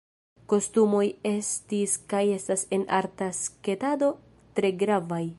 Kostumoj estis kaj estas en arta sketado tre gravaj.